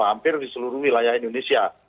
hampir di seluruh wilayah indonesia